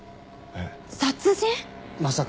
えっ？